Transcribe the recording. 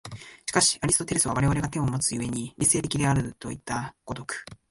しかしアリストテレスが我々は手をもつ故に理性的であるといった如く